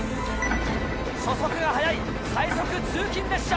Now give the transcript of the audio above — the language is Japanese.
初速が速い最速通勤列車。